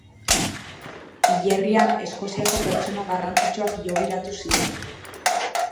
Hilerrian Eskoziako pertsona garrantzitsuak hilobiratu ziren.